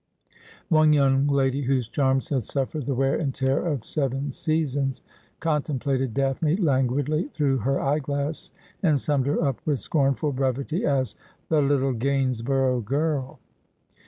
One young lady, whose charms had suffered the wear and tear of seven seasons, contemplated Daphne languidly through her eye glass, and summed her up with scornful brevity as ' the little Gainsborough girl